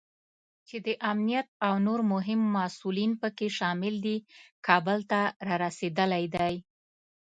چې د امنیت او نور مهم مسوولین پکې شامل دي، کابل ته رارسېدلی دی